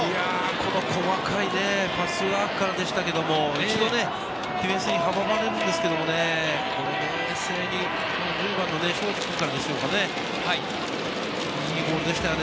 この細かいパスワークからでしたけど、一度ね、ディフェンスに阻まれるんですけどね、冷静に１０番・庄司君からですかね、いいボールでしたね。